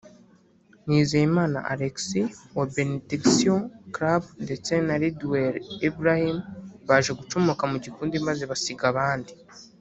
Nizeyimana Alex wa Benediction Club ndetse na Redwell Ebrahim baje gucomoka mu gikundi maze basiga abandi